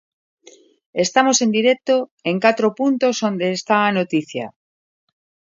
Estamos en directo en catro puntos onde está a noticia.